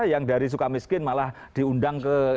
yang dari suka miskin malah diundang ke